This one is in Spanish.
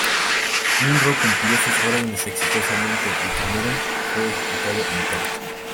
Munro cumplió sus órdenes exitosamente y Cameron fue ejecutado en Perth.